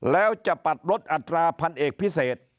แล้วจะปัดลดอัตราพันเอกพิเศษ